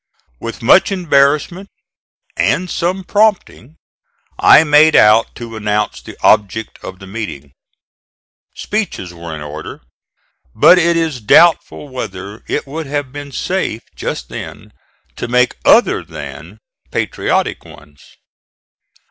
With much embarrassment and some prompting I made out to announce the object of the meeting. Speeches were in order, but it is doubtful whether it would have been safe just then to make other than patriotic ones.